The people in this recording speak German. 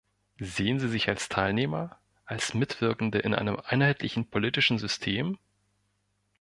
Sehen sie sich als Teilnehmer, als Mitwirkende in einem einheitlichen politischen System?